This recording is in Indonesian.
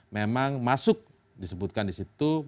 memang masuk disebutkan disitu